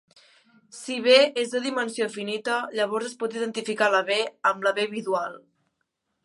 Si "V" és de dimensió finita, llavors es pot identificar la "V" amb la "V" bidual.